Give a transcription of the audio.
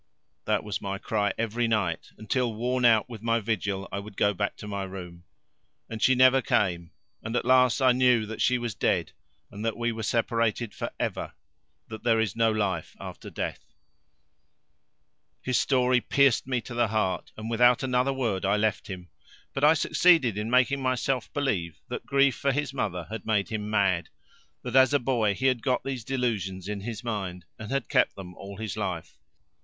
That was my cry every night, until worn out with my vigil I would go back to my room. And she never came, and at last I knew that she was dead and that we were separated for ever that there is no life after death." His story pierced me to the heart, and without another word I left him, but I succeeded in making myself believe that grief for his mother had made him mad, that as a boy he had got these delusions in his mind and had kept them all his life.